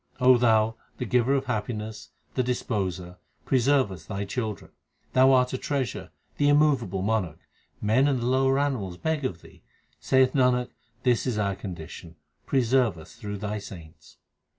Thou, the Giver of happiness, the Disposer, preserve us Thy children. Thou art a treasure, the immovable Monarch ; men and the lower animals beg of Thee. Saith Nanak, this is our condition ; preserve us through Thy saints.